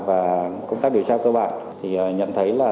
và công tác điều tra cơ bản thì nhận thấy là